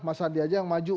mas sandi aja yang maju